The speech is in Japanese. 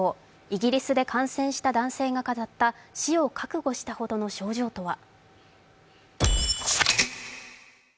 イギリスで感染した男性が語った死を覚悟したほどの症状とは？